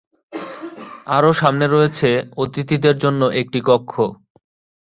আরও সামনে রয়েছে অতিথিদের জন্য একটি কক্ষ।